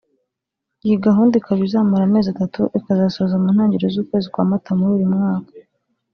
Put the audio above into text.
Iyi gahunda ikaba izamara amezi atatu ikazasoza mu ntangiriro z’ukwezi kwa mata muri uyu mwaka